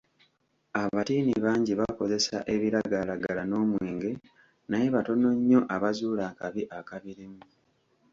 Abatiini bangi bakozesa ebiragalalagala n'omwenge, naye batono nnyo abazuula akabi akabirimu.